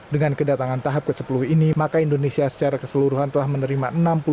dengan kedatangan tahap ke sepuluh ini maka indonesia secara keseluruhan telah menerima